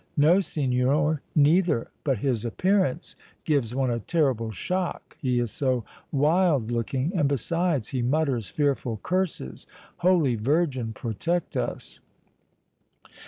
"No, signor, neither; but his appearance gives one a terrible shock, he is so wild looking, and, besides, he mutters fearful curses! Holy Virgin, protect us!"